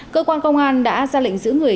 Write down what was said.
cơ quan công an đã ra lệnh giữ người